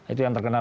itu yang terkenal